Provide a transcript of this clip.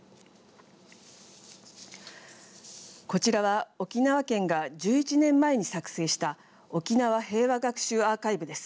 こちらは沖縄県が１１年前に作成した沖縄平和学習アーカイブです。